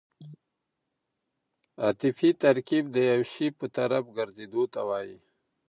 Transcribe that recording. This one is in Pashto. عطفي ترکیب د یو شي په طرف ګرځېدو ته وایي.